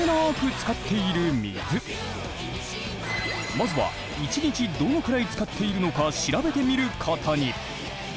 まずは１日どのくらい使っているのか調べてみることに。